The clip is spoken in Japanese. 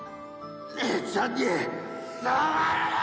姉ちゃんに触るな！！